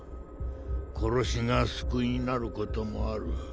殺しが救いになる事もある。